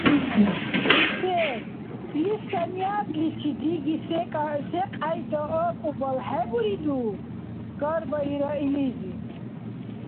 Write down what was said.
— ХӀусен, ил санигӀятличи диги секьяйда акӀубал хӀебуриду? — хьарбаира илизи.